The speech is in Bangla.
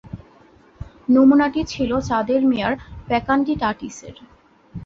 নমুনাটি ছিল চাঁদের মেয়ার ফেকান্ডিটাটিসের।